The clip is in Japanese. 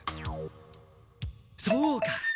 そうか！